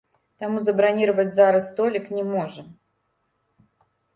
Таму забраніраваць зараз столік не можам.